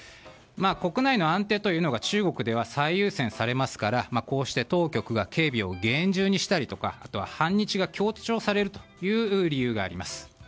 国内の安定というのが中国では最優先されますからこうして当局が警備を厳重にしたりとか反日が強調されるという理由があります。